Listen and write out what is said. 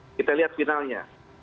kita lihat finalnya